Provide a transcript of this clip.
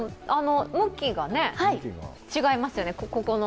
向きがね、違いますよね、ここの。